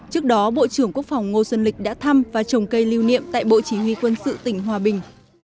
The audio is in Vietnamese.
trước đó bộ trưởng quốc phòng ngô xuân lịch đã thăm và trồng cây lưu niệm tại bộ chỉ huy quân sự tỉnh hòa bình